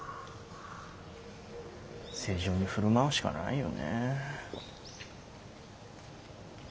正常に振る舞うしかないよねえ。